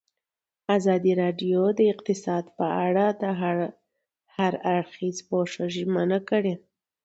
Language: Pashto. ازادي راډیو د اقتصاد په اړه د هر اړخیز پوښښ ژمنه کړې.